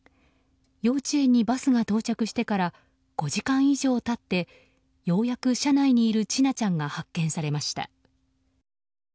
幼稚園にバスが到着してから５時間以上経ってようやく車内にいる千奈ちゃんが発見されました。